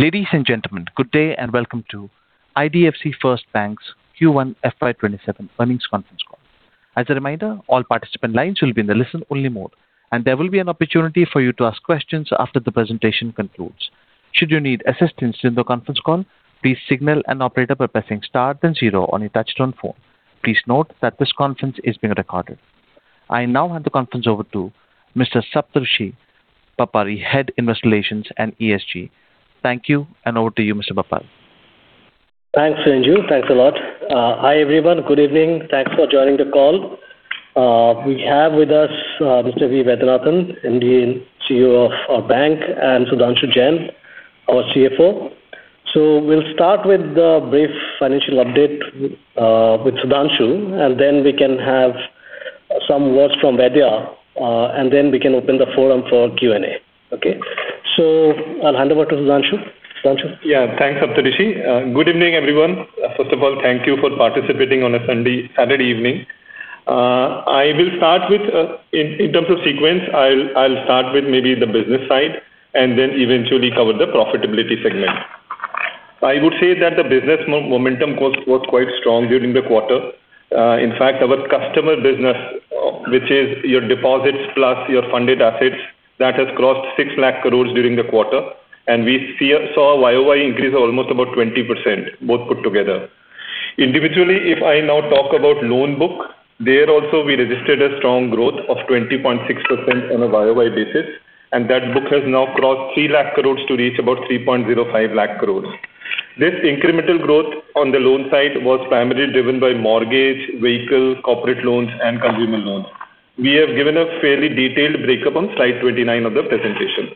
Ladies and gentlemen, good day and welcome to IDFC FIRST Bank's Q1 FY 2027 earnings conference call. As a reminder, all participant lines will be in the listen-only mode, and there will be an opportunity for you to ask questions after the presentation concludes. Should you need assistance in the conference call, please signal an operator by pressing Star then Zero on your touchtone phone. Please note that this conference is being recorded. I now hand the conference over to Mr. Saptarshi Bapari, Head, Investor Relations and ESG. Thank you, and over to you, Mr. Bapari. Thanks, Sanju. Thanks a lot. Hi, everyone. Good evening. Thanks for joining the call. We have with us Mr. V. Vaidyanathan, MD and CEO of our bank, and Sudhanshu Jain, our CFO. We'll start with the brief financial update with Sudhanshu, and then we can have some words from Vaidya, and then we can open the forum for Q&A. Okay? I'll hand over to Sudhanshu. Sudhanshu. Thanks, Saptarshi. Good evening, everyone. First of all, thank you for participating on a Saturday evening. In terms of sequence, I'll start with maybe the business side and then eventually cover the profitability segment. I would say that the business momentum was quite strong during the quarter. In fact, our customer business, which is your deposits plus your funded assets, that has crossed 6 lakh crore during the quarter, and we saw a year-over-year increase almost about 20%, both put together. Individually, if I now talk about loan book, there also, we registered a strong growth of 20.6% on a year-over-year basis, and that book has now crossed 3 lakh crore to reach about 3.05 lakh crore. This incremental growth on the loan side was primarily driven by mortgage, vehicle, corporate loans, and consumer loans. We have given a fairly detailed breakup on slide 29 of the presentation.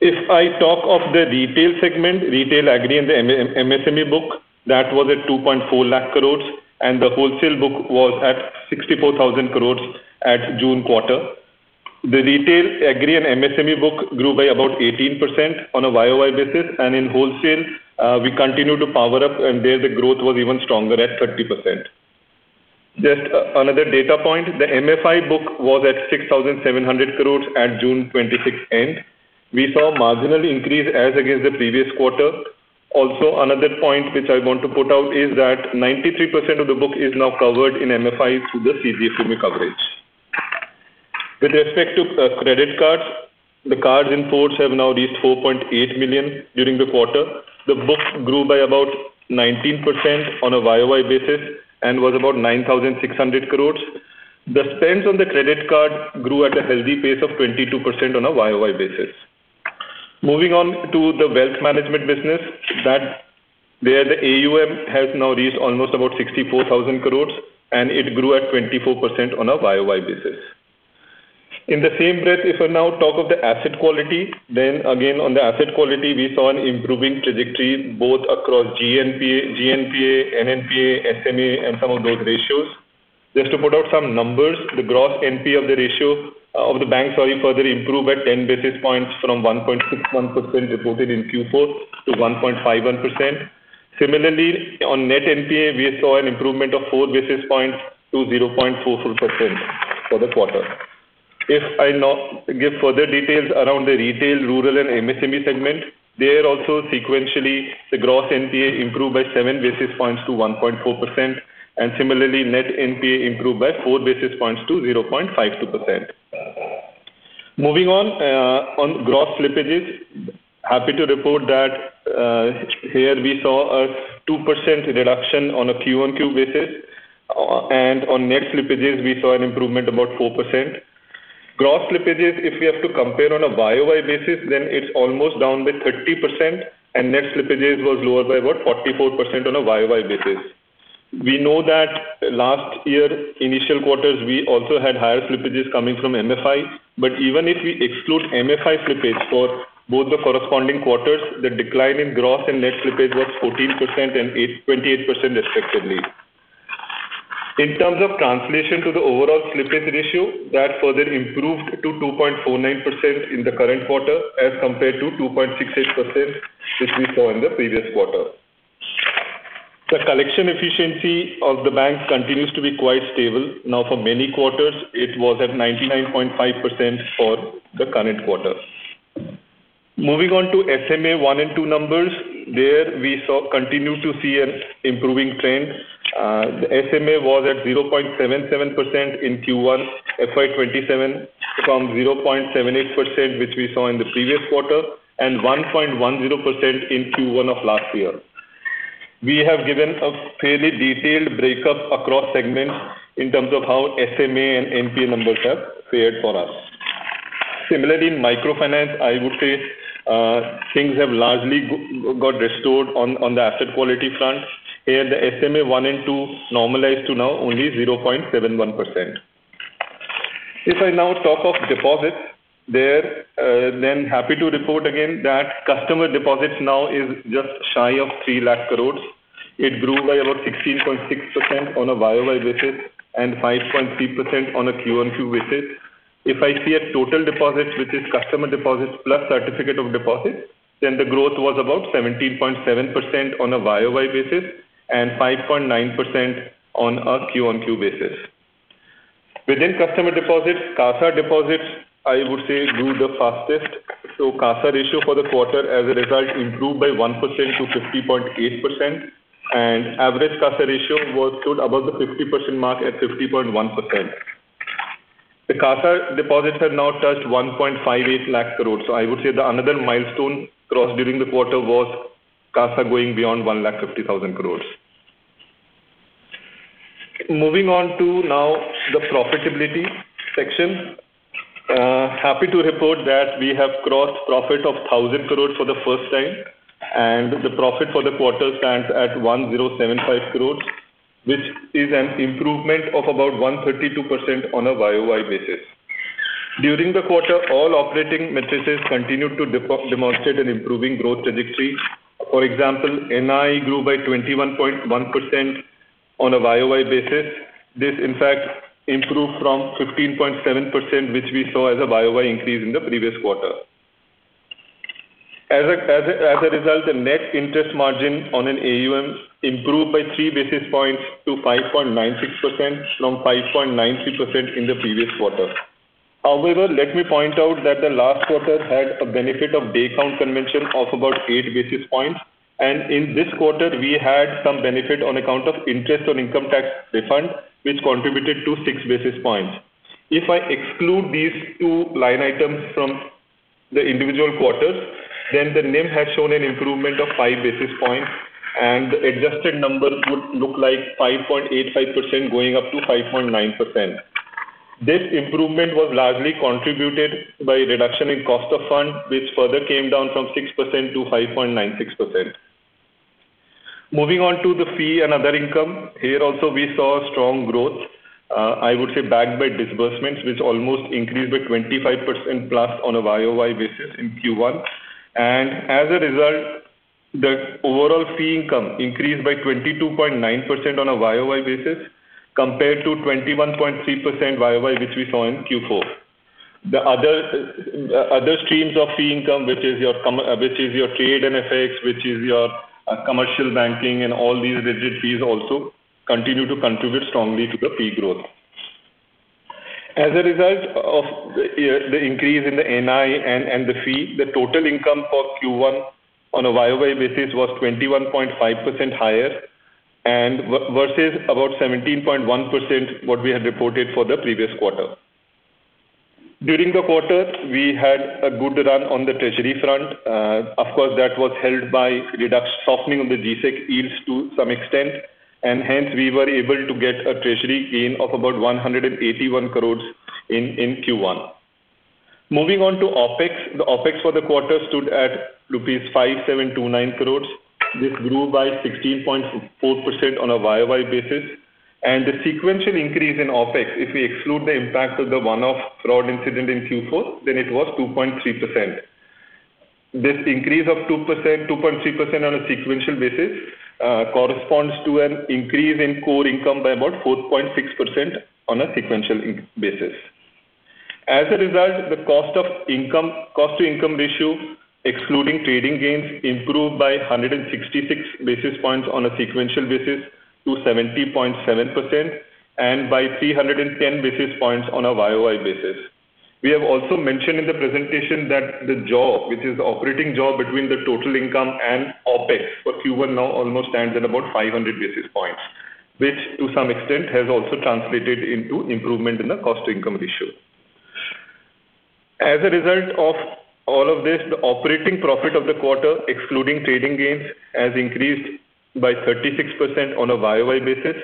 If I talk of the retail segment, Retail, Agri, and the MSME book, that was at 2.4 lakh crore, and the wholesale book was at 64,000 crore at June quarter. The retail agri and MSME book grew by about 18% on a year-over-year basis, and in wholesale, we continued to power up, and there the growth was even stronger at 30%. Just another data point, the MFI book was at 6,700 crore at June 26 end. We saw a marginal increase as against the previous quarter. Another point which I want to put out is that 93% of the book is now covered in MFI through the CGFMU coverage. With respect to credit cards, the cards in ports have now reached 4.8 million during the quarter. The book grew by about 19% on a year-over-year basis and was about 9,600 crore. The spends on the credit card grew at a healthy pace of 22% on a year-over-year basis. Moving on to the wealth management business, there the AUM has now reached almost about 64,000 crore, and it grew at 24% on a year-over-year basis. In the same breath, if I now talk of the asset quality, again, on the asset quality, we saw an improving trajectory both across GNPA, NNPA, SMA, and some of those ratios. Just to put out some numbers, the gross NPA of the bank further improved by 10 basis points from 1.61% reported in Q4 to 1.51%. Similarly, on net NPA, we saw an improvement of 4 basis points to 0.44% for the quarter. If I now give further details around the retail, rural, and MSME segment, there also sequentially, the gross NPA improved by 7 basis points to 1.4%, and similarly, net NPA improved by 4 basis points to 0.52%. Moving on gross slippages, happy to report that here we saw a 2% reduction on a quarter-on-quarter basis, and on net slippages, we saw an improvement about 4%. Gross slippages, if we have to compare on a year-over-year basis, it's almost down by 30%, and net slippages was lower by about 44% on a year-over-year basis. We know that last year, initial quarters, we also had higher slippages coming from MFI. But even if we exclude MFI slippage for both the corresponding quarters, the decline in gross and net slippage was 14% and 28% respectively. In terms of translation to the overall slippage ratio, that further improved to 2.49% in the current quarter as compared to 2.68% which we saw in the previous quarter. The collection efficiency of the bank continues to be quite stable now for many quarters. It was at 99.5% for the current quarter. Moving on to SMA 1 and 2 numbers. There we continue to see an improving trend. The SMA was at 0.77% in Q1 FY 2027 from 0.78%, which we saw in the previous quarter, and 1.10% in Q1 of last year. We have given a fairly detailed breakup across segments in terms of how SMA and NPA numbers have fared for us. Similarly, in microfinance, I would say things have largely got restored on the asset quality front. Here, the SMA-1 and SMA-2 normalized to now only 0.71%. If I now talk of deposits, happy to report again that customer deposits now is just shy of 3 lakh crore. It grew by about 16.6% on a year-over-year basis and 5.3% on a quarter-on-quarter basis. If I see a total deposit, which is customer deposits plus certificate of deposits, the growth was about 17.7% on a year-over-year basis and 5.9% on a quarter-on-quarter basis. Within customer deposits, CASA deposits, I would say, grew the fastest. CASA ratio for the quarter as a result improved by 1% to 50.8%, and average CASA ratio stood above the 50% mark at 50.1%. The CASA deposits have now touched 1.58 lakh crore. I would say another milestone crossed during the quarter was CASA going beyond 150,000 crore. Moving on to now the profitability section. Happy to report that we have crossed profit of 1,000 crores for the first time. The profit for the quarter stands at 1,075 crores, which is an improvement of about 132% on a year-over-year basis. During the quarter, all operating metrics continued to demonstrate an improving growth trajectory. For example, NI grew by 21.1% on a year-over-year basis. This in fact improved from 15.7%, which we saw as a year-over-year increase in the previous quarter. As a result, the net interest margin on an AUM improved by 3 basis points to 5.96% from 5.93% in the previous quarter. However, let me point out that the last quarter had a benefit of day count convention of about 8 basis points. In this quarter, we had some benefit on account of interest on income tax refund, which contributed to 6 basis points. If I exclude these two line items from the individual quarters, the NIM has shown an improvement of 5 basis points, and the adjusted numbers would look like 5.85% going up to 5.9%. This improvement was largely contributed by reduction in cost of fund, which further came down from 6% to 5.96%. Moving on to the fee and other income. Here also, we saw strong growth, I would say backed by disbursements, which almost increased by 25+% on a year-over-year basis in Q1. As a result, the overall fee income increased by 22.9% on a year-over-year basis compared to 21.3% year-over-year, which we saw in Q4. The other streams of fee income, which is your trade and FX, which is your commercial banking, and all these rigid fees also continue to contribute strongly to the fee growth. As a result of the increase in the NI and the fee, the total income for Q1 on a year-over-year basis was 21.5% higher versus about 17.1%, what we had reported for the previous quarter. During the quarter, we had a good run on the treasury front. Of course, that was helped by softening of the G-Sec yields to some extent. Hence we were able to get a treasury gain of about 181 crores in Q1. Moving on to OpEx. The OpEx for the quarter stood at rupees 5,729 crores. This grew by 16.4% on a year-over-year basis. The sequential increase in OpEx, if we exclude the impact of the one-off fraud incident in Q4, then it was 2.3%. This increase of 2.3% on a sequential basis, corresponds to an increase in core income by about 4.6% on a sequential basis. As a result, the Cost-to-income ratio, excluding trading gains, improved by 166 basis points on a sequential basis to 70.7%, by 310 basis points on a year-over-year basis. We have also mentioned in the presentation that the Jaws, which is operating Jaws between the total income and OpEx for Q1 now almost stands at about 500 basis points, which to some extent has also translated into improvement in the Cost-to-income ratio. As a result of all of this, the operating profit of the quarter, excluding trading gains, has increased by 36% on a year-over-year basis.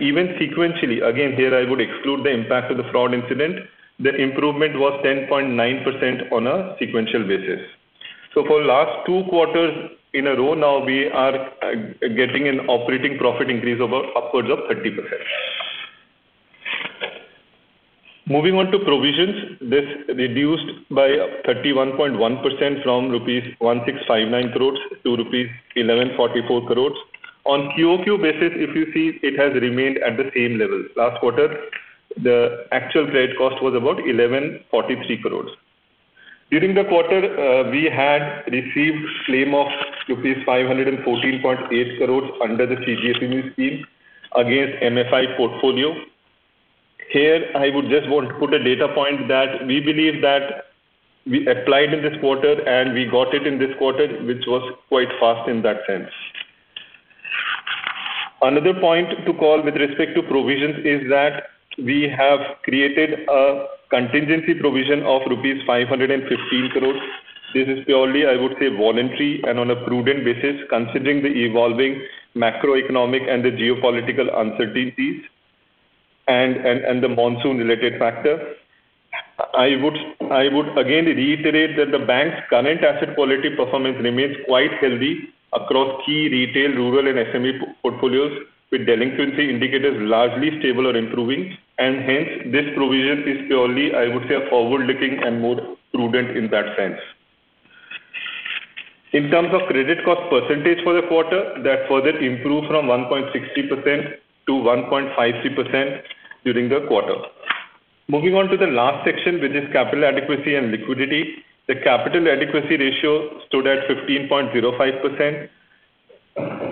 Even sequentially, again, here I would exclude the impact of the fraud incident. The improvement was 10.9% on a sequential basis. For last two quarters in a row now, we are getting an operating profit increase of upwards of 30%. Moving on to provisions. This reduced by 31.1% from rupees 1,659 crore to rupees 1,144 crore. On QoQ basis, if you see, it has remained at the same levels. Last quarter, the actual credit cost was about 1,143 crore. During the quarter, we had received claim of rupees 514.8 crore under the CGFMU scheme against MFI portfolio. Here, I would just want to put a data point that we believe that we applied in this quarter and we got it in this quarter, which was quite fast in that sense. Another point to call with respect to provisions is that we have created a contingency provision of rupees 515 crore. This is purely, I would say, voluntary and on a prudent basis, considering the evolving macroeconomic and the geopolitical uncertainties and the monsoon-related factor. I would again reiterate that the bank's current asset quality performance remains quite healthy across key retail, rural, and SME portfolios, with delinquency indicators largely stable or improving. Hence, this provision is purely, I would say, forward-looking and more prudent in that sense. In terms of credit cost % for the quarter, that further improved from 1.60% to 1.53% during the quarter. Moving on to the last section, which is capital adequacy and liquidity. The capital adequacy ratio stood at 15.05%.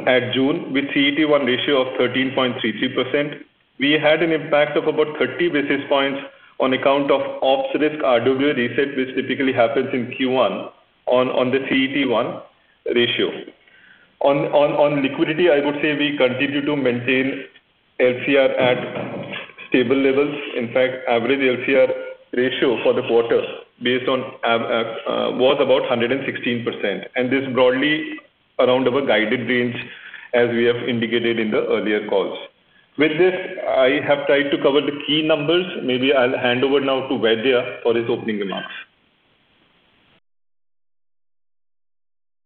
At June, with CET1 ratio of 13.33%, we had an impact of about 30 basis points on account of ops risk RWA reset, which typically happens in Q1 on the CET1 ratio. On liquidity, I would say we continue to maintain LCR at stable levels. In fact, average LCR ratio for the quarter was about 116%. This broadly around our guided range as we have indicated in the earlier calls. With this, I have tried to cover the key numbers. Maybe I'll hand over now to Vaidya for his opening remarks.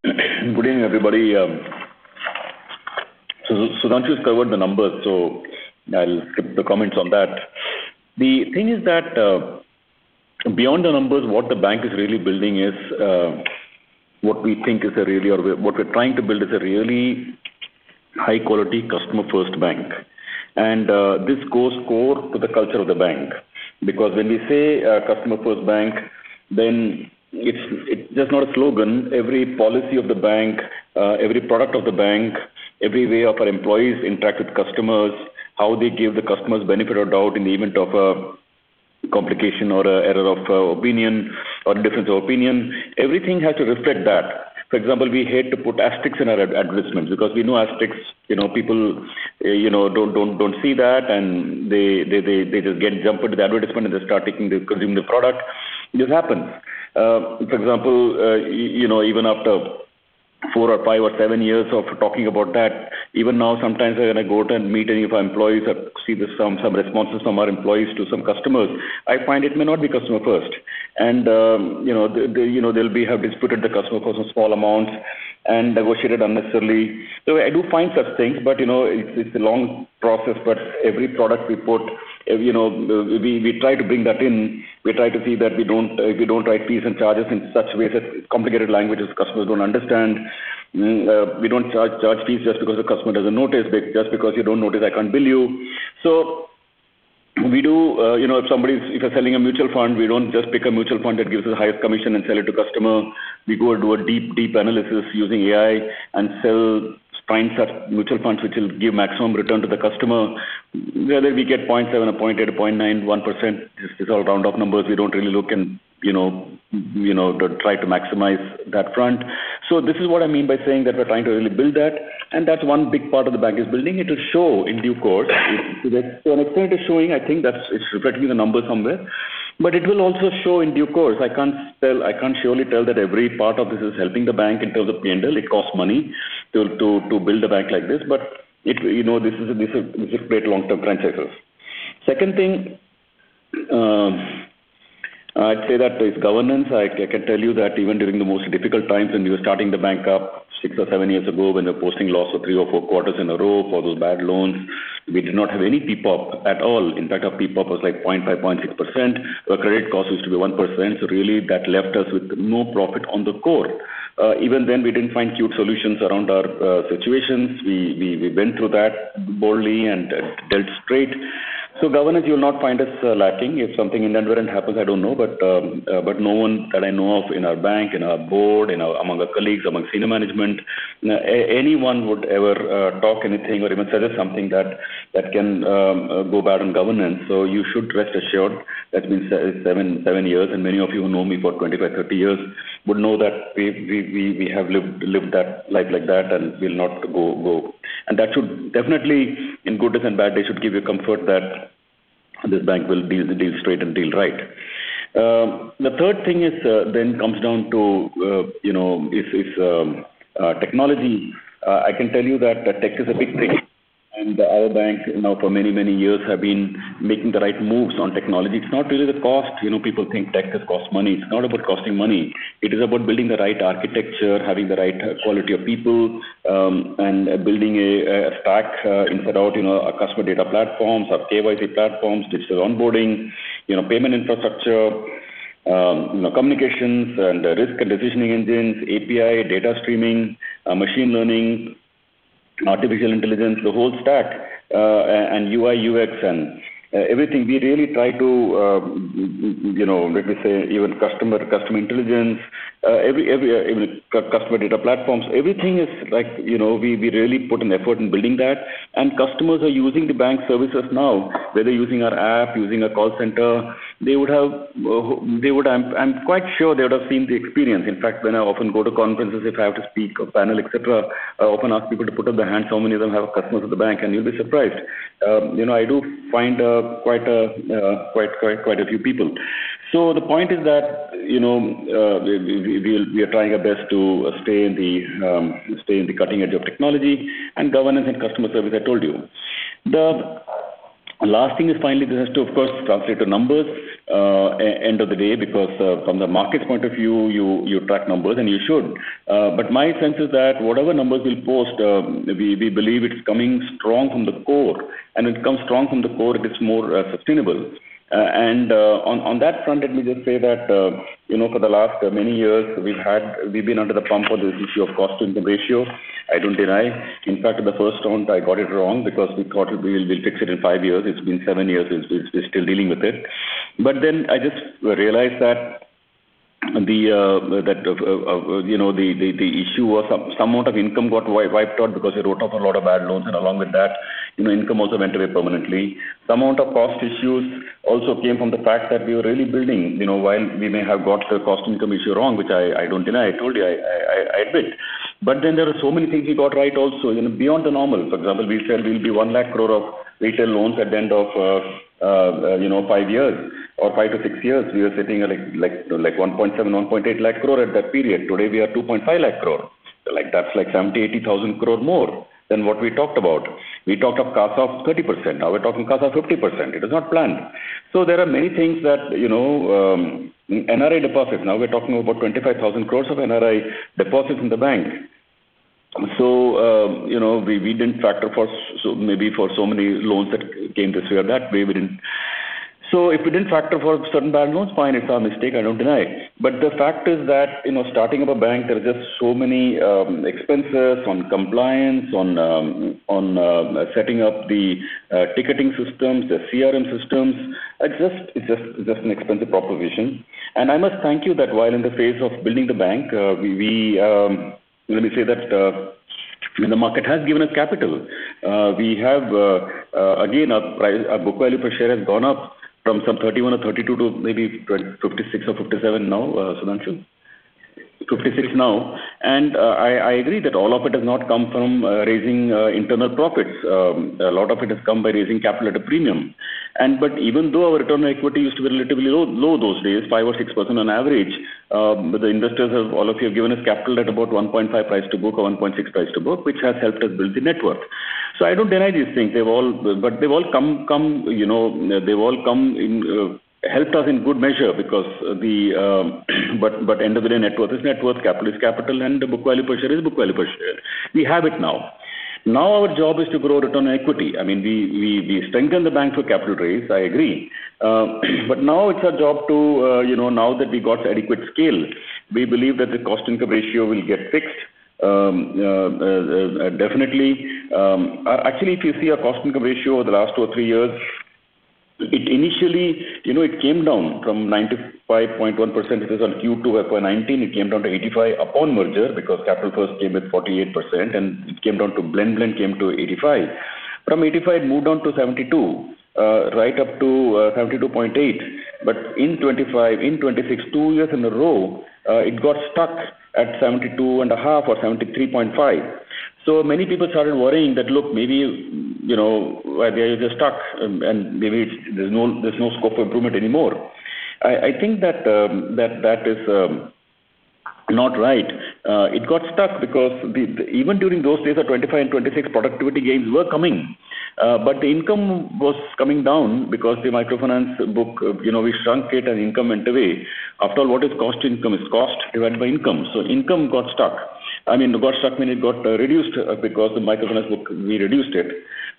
Good evening, everybody. Sudhanshu just covered the numbers, so I'll skip the comments on that. The thing is that beyond the numbers, what the bank is really building is what we're trying to build is a really high-quality customer-first bank. This goes core to the culture of the bank. Because when we say a customer-first bank, then it's just not a slogan. Every policy of the bank, every product of the bank, every way of our employees interact with customers, how they give the customers benefit of doubt in the event of a complication or error of opinion or difference of opinion, everything has to reflect that. For example, we hate to put asterisks in our advertisements because we know asterisks, people don't see that, and they just jump into the advertisement and they consume the product. This happens. For example, even after four or five or seven years of talking about that, even now, sometimes when I go out and meet any of our employees or see some responses from our employees to some customers, I find it may not be customer first. They will have disputed the customer for some small amount and negotiated unnecessarily. I do find such things, but it is a long process. Every product we put, we try to bring that in. We try to see that we do not write fees and charges in such ways as complicated languages customers do not understand. We do not charge fees just because the customer does not notice. Just because you do not notice, I cannot bill you. If you are selling a mutual fund, we do not just pick a mutual fund that gives the highest commission and sell it to customer. We go and do a deep analysis using AI and find such mutual funds which will give maximum return to the customer. Whether we get 0.7% or 0.8% or 0.9%, 1%, it is all round off numbers. We do not really look and try to maximize that front. This is what I mean by saying that we are trying to really build that, and that is one big part of the bank is building. It will show in due course. To an extent it is showing, I think that it is reflecting in the numbers somewhere, but it will also show in due course. I cannot surely tell that every part of this is helping the bank in terms of P&L. It costs money to build a bank like this, but these are great long-term franchises. Second thing, I would say that with governance, I can tell you that even during the most difficult times when we were starting the bank up six or seven years ago, when we were posting loss of three or four quarters in a row for those bad loans, we did not have any PPOP at all. In fact, our PPOP was like 0.5%, 0.6%. Our credit cost used to be 1%, so really that left us with no profit on the core. Even then, we did not find cute solutions around our situations. We went through that boldly and dealt straight. Governance, you will not find us lacking. If something inadvertent happens, I do not know. But no one that I know of in our bank, in our board, among our colleagues, among senior management, anyone would ever talk anything or even suggest something that can go bad on governance. You should rest assured that it is seven years, and many of you who know me for 25, 30 years would know that we have lived that life like that and we will not go. That should definitely, in good days and bad days, should give you comfort that this bank will deal straight and deal right. The third thing then comes down to, its technology. I can tell you that tech is a big thing and our bank now for many, many years have been making the right moves on technology. It is not really the cost. People think tech just costs money. It is not about costing money. It is about building the right architecture, having the right quality of people, building a stack inside out, our customer data platforms, our KYC platforms, digital onboarding, payment infrastructure, communications and risk and decisioning engines, API, data streaming, machine learning, artificial intelligence, the whole stack, UI/UX and everything. We really try to, let me say even customer intelligence, customer data platforms, everything is like we really put an effort in building that. Customers are using the bank services now, whether using our app, using our call center. I'm quite sure they would have seen the experience. In fact, when I often go to conferences, if I have to speak a panel, et cetera, I often ask people to put up their hands, how many of them have customers at the bank? You'll be surprised. I do find quite a few people. The point is that we are trying our best to stay in the cutting edge of technology and governance and customer service, I told you. The last thing is finally, this has to of course translate to numbers end of the day, because from the market's point of view, you track numbers, and you should. My sense is that whatever numbers we'll post, we believe it's coming strong from the core. It comes strong from the core if it's more sustainable. On that front, let me just say that for the last many years we've been under the pump on this issue of cost-to-income ratio. I don't deny. In fact, in the first thought, I got it wrong because we thought we'll fix it in five years. It's been seven years, we're still dealing with it. I just realized that the issue was some amount of income got wiped out because we wrote off a lot of bad loans. Along with that, income also went away permanently. Some amount of cost issues also came from the fact that we were really building. While we may have got the cost-to-income issue wrong, which I don't deny, I told you, I admit. There are so many things we got right also, beyond the normal. For example, we said we'll be 1 lakh crore of retail loans at the end of five years or five to six years. We were sitting at 1.7 lakh crore-1.8 lakh crore at that period. Today, we are 2.5 lakh crore. That's like 70,000 crore-80,000 crore more than what we talked about. We talked of CASA of 30%. Now we're talking CASA of 50%. It was not planned. There are many things that, NRI deposits. Now we're talking about 25,000 crore of NRI deposits in the bank. Maybe for so many loans that came this way or that way, we didn't. If we didn't factor for certain bad loans, fine, it's our mistake, I don't deny it. The fact is that, starting up a bank, there are just so many expenses on compliance, on setting up the ticketing systems, the CRM systems. It's just an expensive proposition. I must thank you that while in the phase of building the bank, let me say that the market has given us capital. Again, our book value per share has gone up from some 31 or 32 to maybe 56 or 57 now, Sudhanshu? 56 now. I agree that all of it has not come from raising internal profits. A lot of it has come by raising capital at a premium. Even though our return on equity used to be relatively low those days, 5% or 6% on average, the investors have, all of you, have given us capital at about 1.5 price to book or 1.6 price to book, which has helped us build the network. I don't deny these things. They've all helped us in good measure because, but end of the day, network is network, capital is capital, and book value per share is book value per share. We have it now. Now our job is to grow return on equity. We strengthened the bank through capital raise, I agree. Now it's our job to, now that we got adequate scale, we believe that the cost-income ratio will get fixed definitely. Actually, if you see our cost-income ratio over the last two or three years, initially, it came down from 95.1%, this is on Q2 FY 2019, it came down to 85% upon merger because Capital First came with 48%, and blend came to 85%. From 85%, it moved on to 72%, right up to 72.8%. In 2025, in 2026, two years in a row, it got stuck at 72.5% or 73.5%. Many people started worrying that, look, maybe they're just stuck and maybe there's no scope for improvement anymore. I think that is not right. It got stuck because even during those days of 2025 and 2026, productivity gains were coming, the income was coming down because the microfinance book, we shrunk it and income went away. After all, what is cost income? It's cost divided by income. Income got stuck. I mean, got stuck meaning it got reduced because the microfinance book, we reduced it.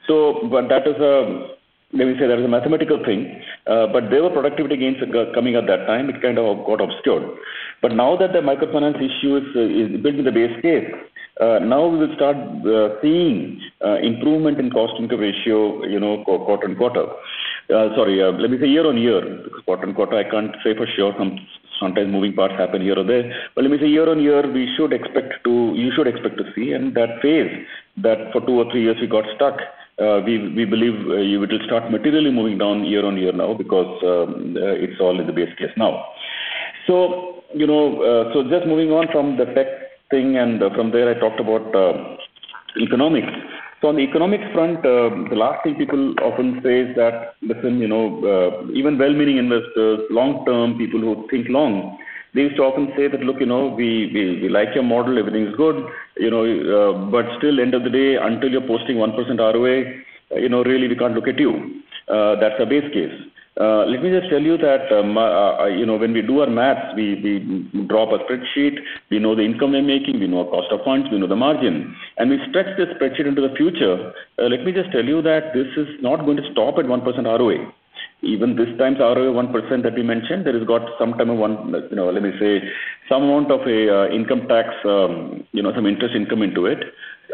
Maybe say that was a mathematical thing, there were productivity gains coming at that time. It kind of got obscured. Now that the microfinance issue is built in the base case, now we will start seeing improvement in cost-income ratio quarter-on-quarter. Sorry, let me say year-on-year because quarter-on-quarter, I can't say for sure. Sometimes moving parts happen here or there. Let me say year-on-year, you should expect to see, and that phase that for two or three years we got stuck, we believe it will start materially moving down year-on-year now because it's all in the base case now. Just moving on from the tech thing and from there I talked about economics. On the economics front, the last thing people often say is that, listen, even well-meaning investors, long-term people who think long, they used to often say that, "Look, we like your model, everything is good, still end of the day, until you're posting 1% ROA, really, we can't look at you." That's a base case. Let me just tell you that when we do our maths, we draw up a spreadsheet. We know the income we're making, we know our cost of funds, we know the margin, and we stretch this spreadsheet into the future. Let me just tell you that this is not going to stop at 1% ROA. Even this time's ROA, 1% that we mentioned, that has got some time, let me say, some amount of income tax, some interest income into it.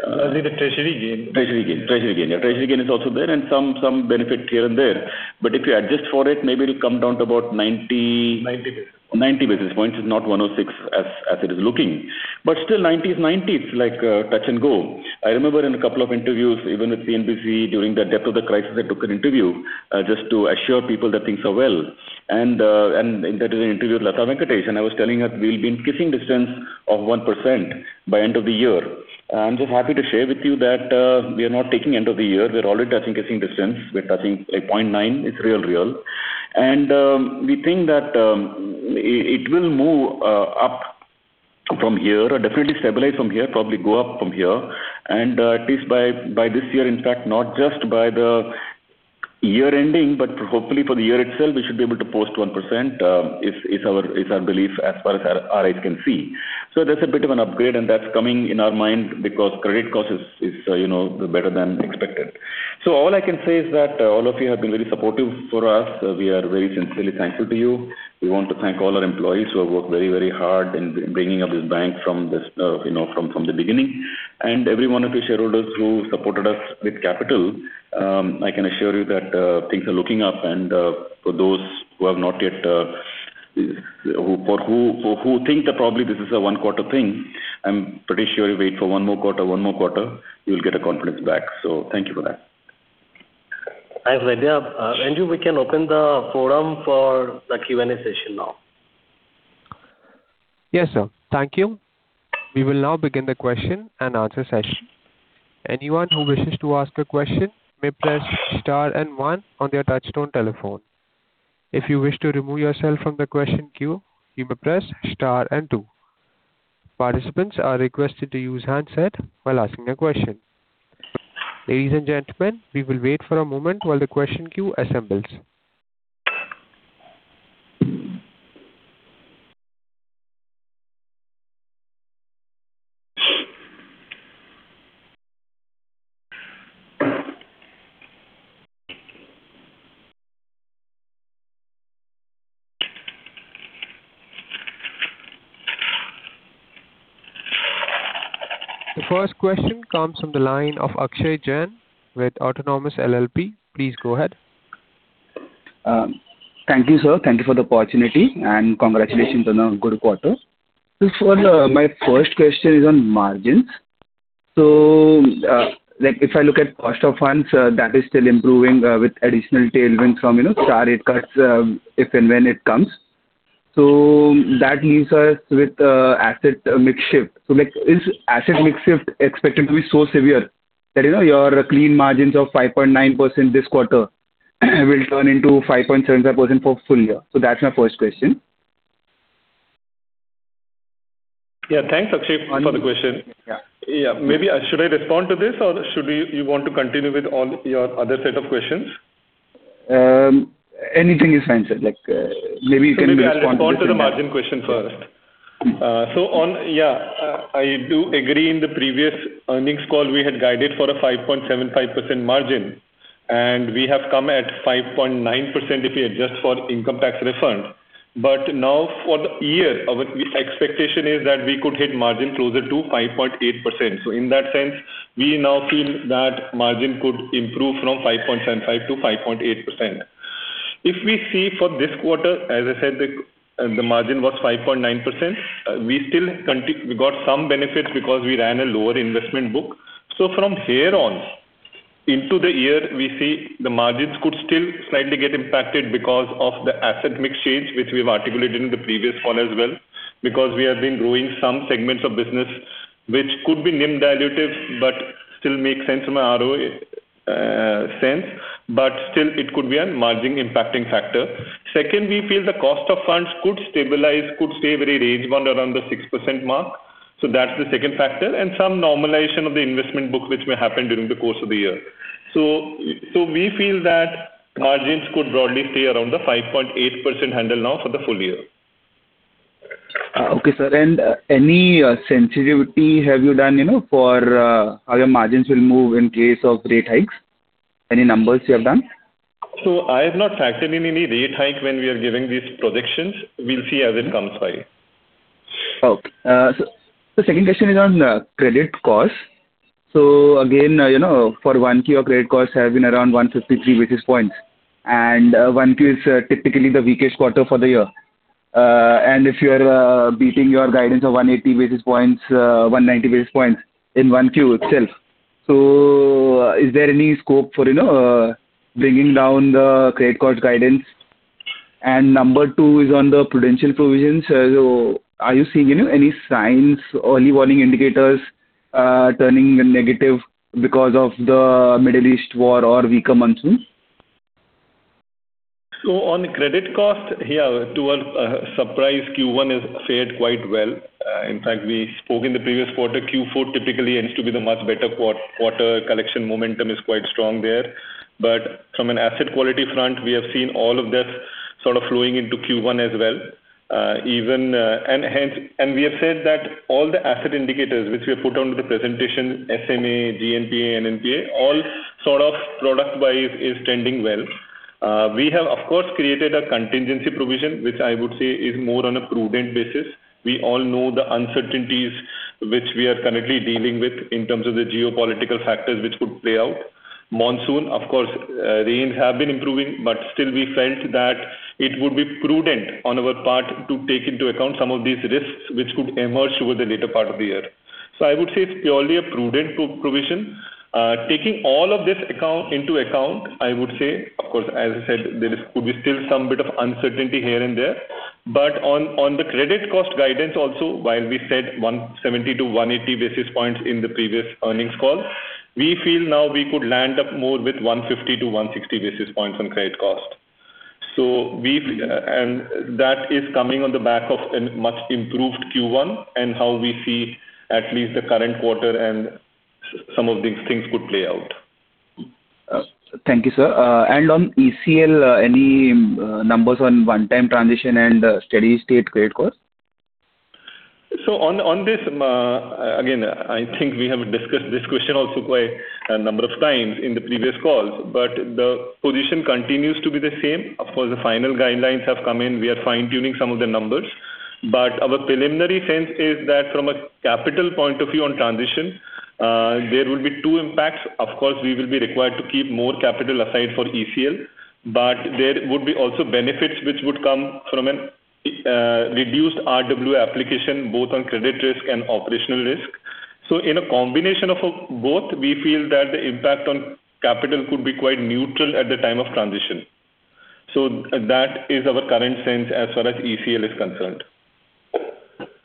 As in the treasury gain. Treasury gain is also there and some benefit here and there. If you adjust for it, maybe it will come down to about 90 basis points. 90 basis points. It is not 106 as it is looking. Still 90 is 90. It is like touch and go. I remember in a couple of interviews, even with CNBC during the depth of the crisis, I took an interview just to assure people that things are well. That is an interview with Latha Venkatesh, and I was telling her we will be in kissing distance of 1% by end of the year. I am just happy to share with you that we are not taking end of the year. We are already touching kissing distance. We are touching, like 0.9%. It is real. We think that it will move up from here or definitely stabilize from here, probably go up from here. At least by this year, in fact, not just by the year ending, hopefully for the year itself, we should be able to post 1%, is our belief as far as our eyes can see. That is a bit of an upgrade, and that is coming in our mind because credit cost is better than expected. All I can say is that all of you have been very supportive for us. We are very sincerely thankful to you. We want to thank all our employees who have worked very hard in bringing up this bank from the beginning. Every one of the shareholders who supported us with capital, I can assure you that things are looking up. For those who think that probably this is a one-quarter thing, I am pretty sure if you wait for one more quarter, you will get the confidence back. Thank you for that. Thanks, Vaidyanathan. Anju, we can open the forum for the Q&A session now. Yes, sir. Thank you. We will now begin the question-and-answer session. Anyone who wishes to ask a question may press star and one on their touchtone telephone. If you wish to remove yourself from the question queue, you may press star and two. Participants are requested to use handset while asking a question. Ladies and gentlemen, we will wait for a moment while the question queue assembles. The first question comes from the line of Akshay Jain with Autonomous LLP. Please go ahead. Thank you, sir. Thank you for the opportunity, and congratulations on a good quarter. Sir, my first question is on margins. If I look at cost of funds, that is still improving with additional tailwinds from star rate cuts, if and when it comes. That leaves us with asset mix shift. Is asset mix shift expected to be so severe that your clean margins of 5.9% this quarter will turn into 5.75% for full year? That's my first question. Yeah, thanks, Akshay, for the question. Yeah. Yeah. Should I respond to this, or you want to continue with your other set of questions? Anything is fine, sir. Maybe you can respond to this and that. Maybe I'll respond to the margin question first. I do agree in the previous earnings call, we had guided for a 5.75% margin, and we have come at 5.9% if we adjust for income tax refund. Now for the year, our expectation is that we could hit margin closer to 5.8%. In that sense, we now feel that margin could improve from 5.75% to 5.8%. If we see for this quarter, as I said, the margin was 5.9%. We got some benefits because we ran a lower investment book. From here on into the year, we see the margins could still slightly get impacted because of the asset mix change, which we've articulated in the previous call as well. Because we have been growing some segments of business, which could be NIM dilutive, but still make sense from an ROE sense. Still, it could be a margin impacting factor. Second, we feel the cost of funds could stabilize, could stay very range-bound around the 6% mark. That's the second factor. Some normalization of the investment book, which may happen during the course of the year. We feel that margins could broadly stay around the 5.8% handle now for the full year. Okay, sir. Any sensitivity have you done for how your margins will move in case of rate hikes? Any numbers you have done? I have not factored in any rate hike when we are giving these projections. We'll see as it comes by. Okay. The second question is on credit cost. Again, for 1Q, your credit cost has been around 153 basis points, and 1Q is typically the weakest quarter for the year. If you are beating your guidance of 180 basis points, 190 basis points in 1Q itself. Is there any scope for bringing down the credit cost guidance? Number two is on the prudential provisions. Are you seeing any signs, early warning indicators, turning negative because of the Middle East war or weaker monsoons? On credit cost, to our surprise, Q1 has fared quite well. In fact, we spoke in the previous quarter, Q4 typically tends to be the much better quarter. Collection momentum is quite strong there. From an asset quality front, we have seen all of this sort of flowing into Q1 as well. We have said that all the asset indicators, which we have put on the presentation, SMA, GNPA, NNPA, all sort of product-wise is trending well. We have, of course, created a contingency provision, which I would say is more on a prudent basis. We all know the uncertainties which we are currently dealing with in terms of the geopolitical factors which could play out. Monsoon, of course, rains have been improving, but still we felt that it would be prudent on our part to take into account some of these risks which could emerge over the later part of the year. I would say it's purely a prudent provision. Taking all of this into account, I would say, of course, as I said, there could be still some bit of uncertainty here and there. On the credit cost guidance also, while we said 170-180 basis points in the previous earnings call, we feel now we could land up more with 150-160 basis points on credit cost. That is coming on the back of a much-improved Q1 and how we see at least the current quarter and some of these things could play out. Thank you, sir. On ECL, any numbers on one-time transition and steady-state credit cost? On this, again, I think we have discussed this question also quite a number of times in the previous calls, but the position continues to be the same. Of course, the final guidelines have come in. We are fine-tuning some of the numbers, but our preliminary sense is that from a capital point of view on transition there will be two impacts. Of course, we will be required to keep more capital aside for ECL, but there would be also benefits which would come from a reduced RW application, both on credit risk and operational risk. In a combination of both, we feel that the impact on capital could be quite neutral at the time of transition. That is our current sense as far as ECL is concerned.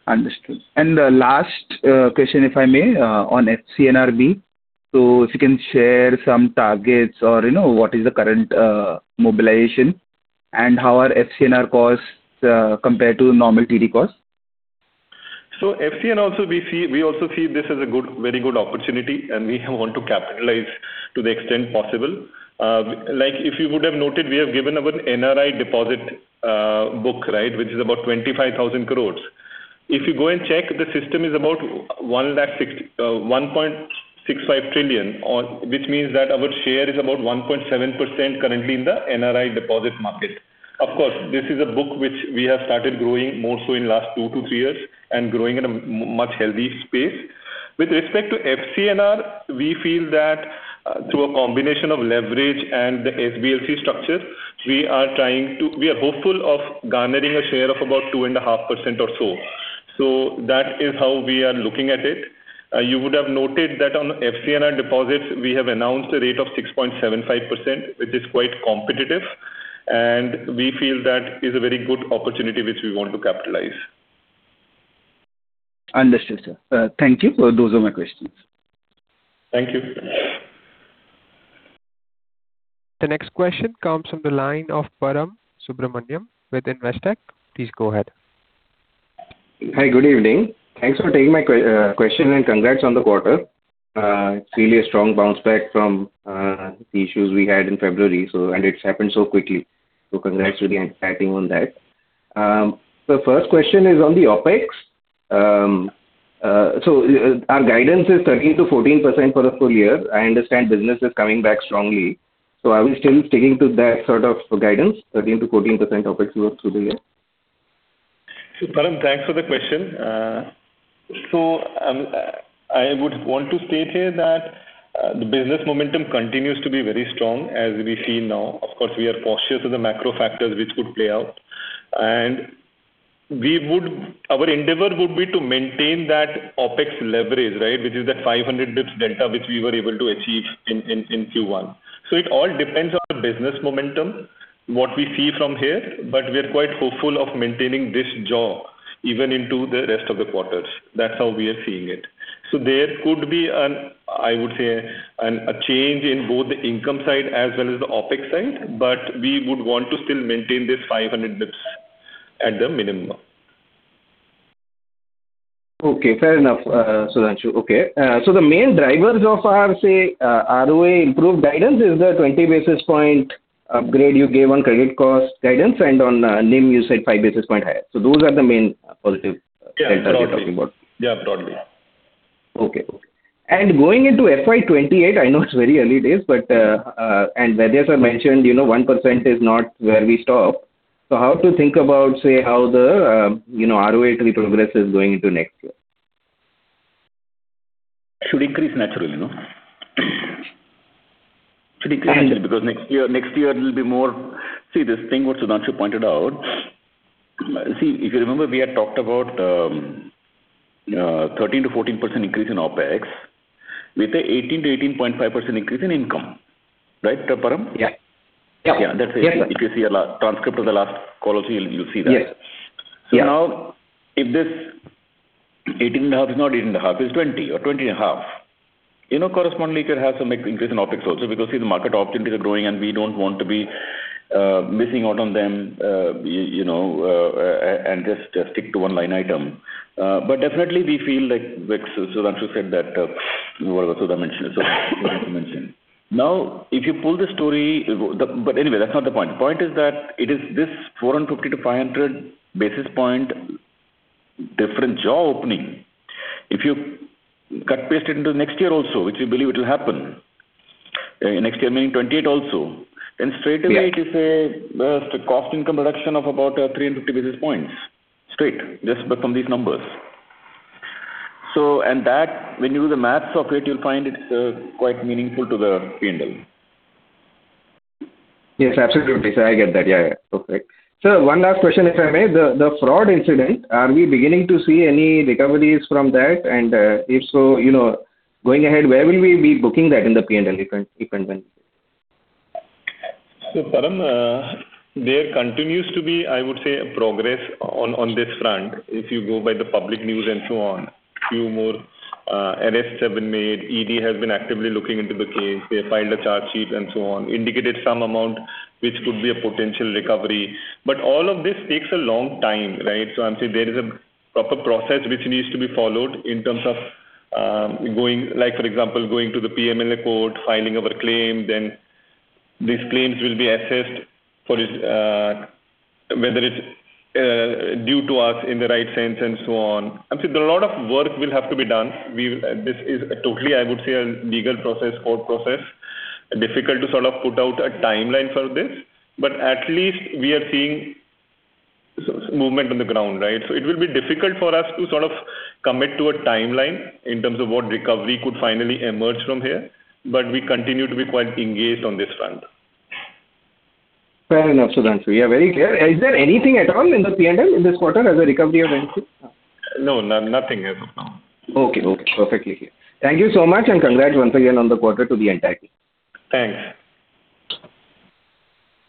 Understood. The last question, if I may, on FCNR. If you can share some targets or what is the current mobilization and how are FCNR costs compared to normal TD costs? FCNR, we also see this as a very good opportunity, and we want to capitalize to the extent possible. If you would have noted, we have given our NRI deposit book, which is about 25,000 crore. If you go and check, the system is about 1.65 trillion, which means that our share is about 1.7% currently in the NRI deposit market. Of course, this is a book which we have started growing more so in last two to three years and growing at a much healthy space. With respect to FCNR, we feel that through a combination of leverage and the SBLC structures, we are hopeful of garnering a share of about 2.5% or so. That is how we are looking at it. You would have noted that on FCNR deposits, we have announced a rate of 6.75%, which is quite competitive, and we feel that is a very good opportunity which we want to capitalize. Understood, sir. Thank you. Those are my questions. Thank you. The next question comes from the line of Param Subramanian with Investec. Please go ahead. Hi, good evening. Thanks for taking my question and congrats on the quarter. It's really a strong bounce back from the issues we had in February, and it's happened so quickly. Congrats, really exciting on that. The first question is on the OpEx. Our guidance is 13%-14% for the full year. I understand business is coming back strongly. Are we still sticking to that sort of guidance, 13%-14% OpEx growth through the year? Param, thanks for the question. I would want to state here that the business momentum continues to be very strong as we see now. Of course, we are cautious of the macro factors which could play out. Our endeavor would be to maintain that OpEx leverage, which is that 500 basis points delta which we were able to achieve in Q1. It all depends on the business momentum, what we see from here, but we are quite hopeful of maintaining this Jaws, even into the rest of the quarters. That's how we are seeing it. There could be, I would say, a change in both the income side as well as the OpEx side, but we would want to still maintain this 500 basis points at the minimum. Okay, fair enough, Sudhanshu. The main drivers of our, say, ROA improved guidance is the 20 basis points upgrade you gave on credit cost guidance and on NIM, you said 5 basis points higher. Those are the main positive deltas you're talking about. Yeah, broadly. Okay. Going into FY 2028, I know it's very early days, Vaidya sir mentioned 1% is not where we stop. How to think about, say, how the ROA progress is going into next year. Should increase naturally, no? Should increase naturally because next year it will be. This thing what Sudhanshu pointed out. If you remember, we had talked about 13%-14% increase in OpEx with an 18%-18.5% increase in income. Right, Param? Yeah. Yeah. If you see a transcript of the last call also, you'll see that. Yes. Now if this 18.5 is not 18.5, is 20 or 20.5, correspondingly it could have some increase in OpEx also because the market opportunities are growing. We don't want to be missing out on them and just stick to one line item. Definitely we feel like Sudhanshu said that, what Sudha mentioned. That's not the point. The point is that it is this 450-500 basis point different Jaws. If you cut paste it into next year also, which we believe it will happen. Next year meaning 2028 also. Straightaway it is a cost income reduction of about 350 basis points. Just from these numbers. When you do the maths of it, you'll find it's quite meaningful to the P&L. Yes, absolutely, sir. I get that. Yeah. Perfect. Sir, one last question, if I may. The fraud incident, are we beginning to see any recoveries from that? If so, going ahead, where will we be booking that in the P&L, if and when? Param, there continues to be, I would say, a progress on this front. If you go by the public news and so on. A few more arrests have been made. ED has been actively looking into the case. They filed a charge sheet and so on, indicated some amount which could be a potential recovery. All of this takes a long time, right? I'm saying there is a proper process which needs to be followed in terms of, for example, going to the PMLA court, filing our claim, then these claims will be assessed whether it's due to us in the right sense and so on. There is a lot of work that will have to be done. This is totally, I would say, a legal process, court process. Difficult to sort of put out a timeline for this, but at least we are seeing movement on the ground, right? It will be difficult for us to sort of commit to a timeline in terms of what recovery could finally emerge from here. We continue to be quite engaged on this front. Fair enough, Sudhanshu. Yeah, very clear. Is there anything at all in the P&L in this quarter as a recovery event? No, nothing as of now. Okay. Perfectly clear. Thank you so much, and congrats once again on the quarter to the entire team. Thanks.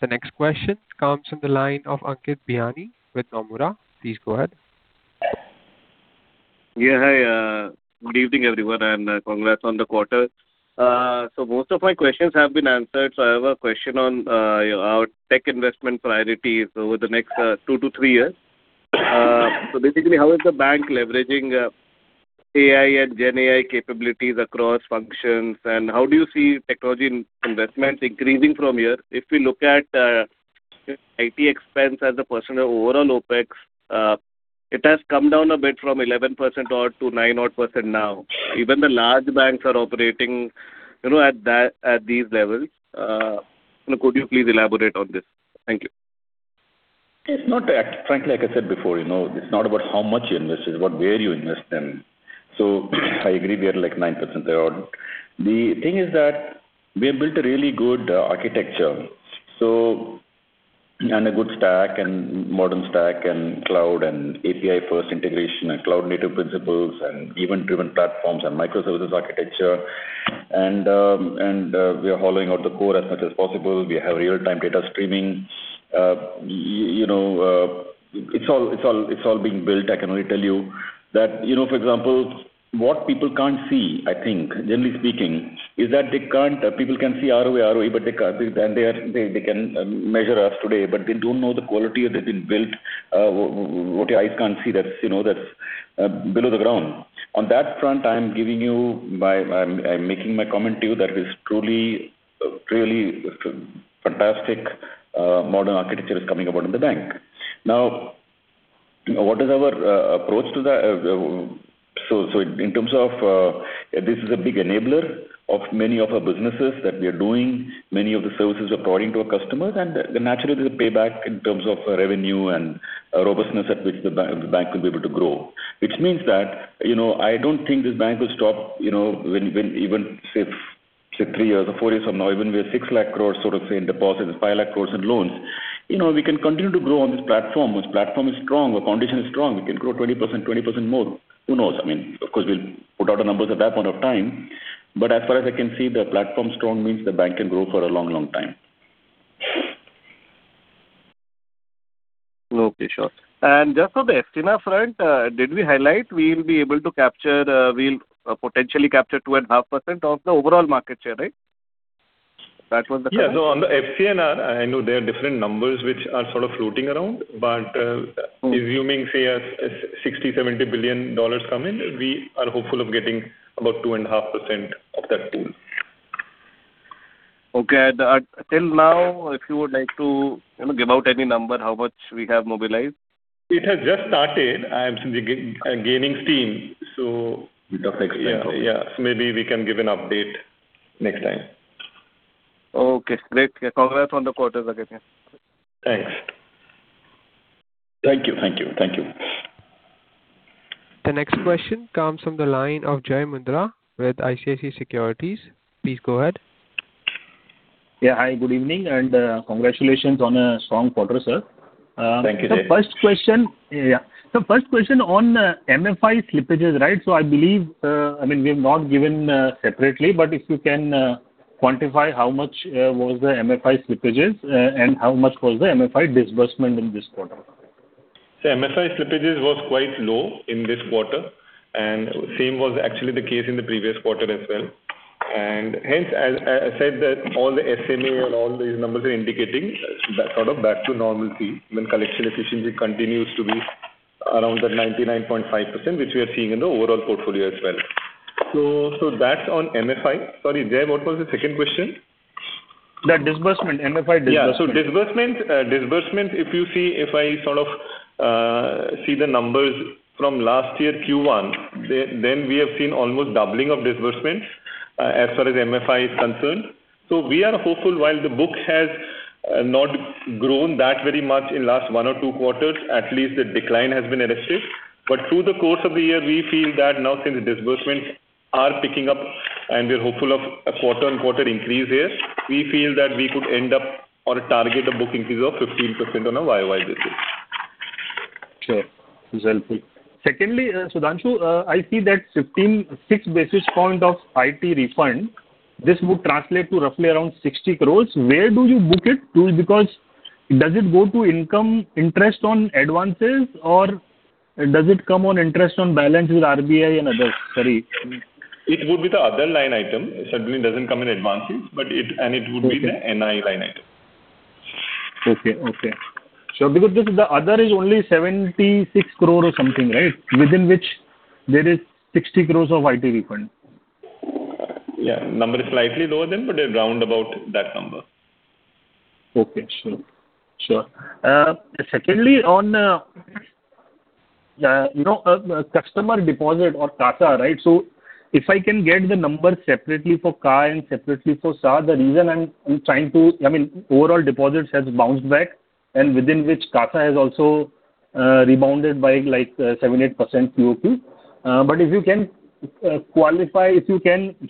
The next question comes from the line of Ankit Bihani with Nomura. Please go ahead. Hi, good evening, everyone, and congrats on the quarter. Most of my questions have been answered. I have a question on our tech investment priorities over the next two to three years. Basically, how is the bank leveraging AI and GenAI capabilities across functions, and how do you see technology investment increasing from here? If we look at IT expense as a percentage of overall OpEx, it has come down a bit from 11% odd to 9% odd now. Even the large banks are operating at these levels. Could you please elaborate on this? Thank you. Frankly, like I said before, it's not about how much you invest. It's about where you invest them. I agree, we are like 9% there. The thing is that we have built a really good architecture, a good stack, a modern stack, cloud, API-first integration, cloud-native principles, event-driven platforms, and microservices architecture. We are hollowing out the core as much as possible. We have real-time data streaming. It's all being built. I can only tell you that, for example, what people can't see, I think, generally speaking, is that people can see ROE, but they can measure us today, but they don't know the quality that has been built. What your eyes can't see, that's below the ground. On that front, I'm making my comment to you that is truly, really fantastic modern architecture is coming about in the bank. Now, what is our approach to that? In terms of, this is a big enabler of many of our businesses that we are doing, many of the services we are providing to our customers, and naturally, there's a payback in terms of revenue and robustness at which the bank will be able to grow. Which means that, I don't think this bank will stop, when even say three years or four years from now, even we are 6 lakh crore sort of say in deposits, 5 lakh crore in loans. We can continue to grow on this platform. Once platform is strong, our foundation is strong, we can grow 20%, 20% more. Who knows? Of course, we'll put out the numbers at that point of time. As far as I can see, the platform is strong means the bank can grow for a long, long time. Okay, sure. Just on the FCNR front, did we highlight we'll potentially capture 2.5% of the overall market share, right? Yeah. On the FCNR, I know there are different numbers which are sort of floating around, but assuming, say $60 billion-$70 billion come in, we are hopeful of getting about 2.5% of that pool. Okay. Till now, if you would like to give out any number, how much we have mobilized? It has just started and is gaining steam. It doesn't explain. Yeah. Maybe we can give an update next time. Okay, great. Congrats on the quarter again. Thanks. Thank you. The next question comes from the line of Jai Mundra with ICICI Securities. Please go ahead. Yeah, hi, good evening, and congratulations on a strong quarter, sir. Thank you. Sir, first question on MFI slippages. I believe, we have not given separately, but if you can quantify how much was the MFI slippages, and how much was the MFI disbursement in this quarter? MFI slippages was quite low in this quarter, and same was actually the case in the previous quarter as well. Hence, as I said that all the SMA and all these numbers are indicating sort of back to normalcy when collection efficiency continues to be around that 99.5%, which we are seeing in the overall portfolio as well. That's on MFI. Sorry, Jai, what was the second question? The disbursement, MFI disbursement. Yeah. Disbursement, if I sort of see the numbers from last year Q1, we have seen almost doubling of disbursements as far as MFI is concerned. We are hopeful while the book has not grown that very much in last one or two quarters, at least the decline has been arrested. Through the course of the year, we feel that now since the disbursements are picking up and we're hopeful of a quarter-on-quarter increase here, we feel that we could end up on a target of book increase of 15% on a year-over-year basis. Sure. It's helpful. Secondly, Sudhanshu, I see that 15.6 basis points of IT refund, this would translate to roughly around 60 crores. Where do you book it to? Does it go to income interest on advances, or does it come on interest on balance with RBI and others? Sorry. It would be the other line item. Certainly doesn't come in advances, it would be- Okay the NI line item. Okay. Sure. Because the other is only 76 crore or something, right? Within which there is 60 crore of IT refund. Yeah. Number is slightly lower than, but round about that number. Okay, sure. Secondly, on Customer deposit or CASA. If I can get the number separately for CA and separately for SA, Overall deposits has bounced back and within which CASA has also rebounded by 7%-8% QoQ. If you can qualify,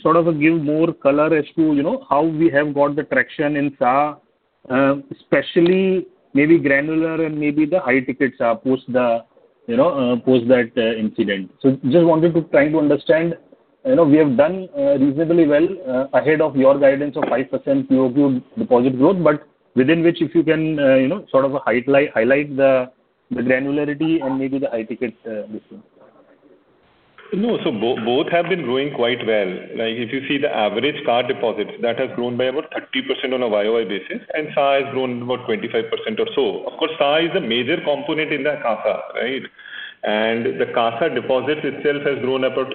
sort of give more color as to how we have got the traction in SA, especially maybe granular and maybe the high-ticket SA post that incident. Just wanted to try to understand. We have done reasonably well ahead of your guidance of 5% QoQ deposit growth, within which if you can sort of highlight the granularity and maybe the high-ticket business. Both have been growing quite well. If you see the average CA deposits, that has grown by about 30% on a YoY basis, and SA has grown about 25% or so. Of course, SA is a major component in the CASA. The CASA deposit itself has grown about